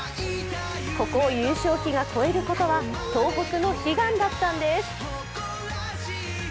ここを優勝旗が超えることは東北の悲願だったんです。